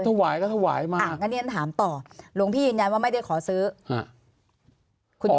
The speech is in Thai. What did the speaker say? ถวายก็ถวายมางั้นเรียนถามต่อหลวงพี่ยืนยันว่าไม่ได้ขอซื้อฮะ